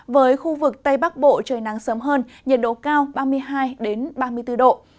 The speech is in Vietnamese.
với khu vực tây bắc bộ trời nắng sớm hơn nhiệt độ cao ba mươi hai ba mươi bốn độ